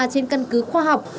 trên căn cứ khoa học